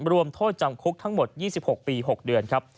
รวมโทษจำคุกทั้งหมด๒๖ปี๖เดือนครับ